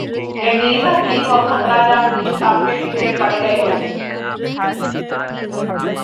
کہ نیم حکیم اور خطرہ جان ، کس کام کے پیچھے پڑ گئے ہو